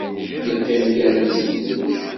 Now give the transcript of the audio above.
Yeqqim kan yetteddu.